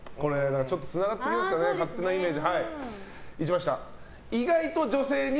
つながってきますかね勝手なイメージ。